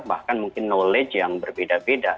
bahkan mungkin knowledge yang berbeda beda